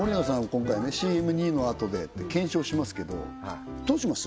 今回ね「ＣＭ②のあとで」検証しますけどどうします？